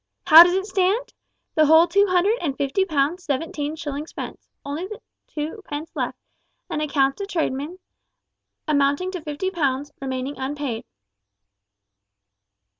"How does it stand? The whole two hundred and fifty pounds seventeen shillings spent only the two pence left and accounts to tradesmen, amounting to fifty pounds, remaining unpaid!"